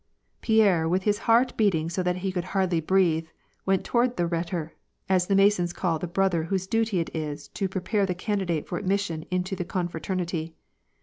Pierre, with his heart beating so that he could hardly breathe, went toward the Khetor, as the Masons call the brother whose duty it is to pre pare the candidate for admission into the confraternity.